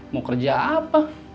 mau kerja apa